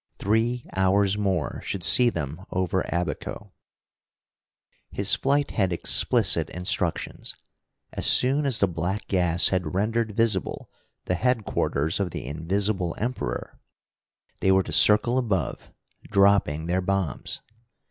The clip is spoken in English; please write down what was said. Three hours more should see them over Abaco. His flight had explicit instructions. As soon as the black gas had rendered visible the headquarters of the Invisible Emperor, they were to circle above, dropping their bombs.